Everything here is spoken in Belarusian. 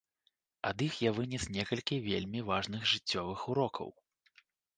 Ад іх я вынес некалькі вельмі важных жыццёвых урокаў.